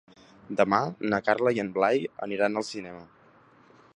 Demà na Carla i en Blai aniran al cinema.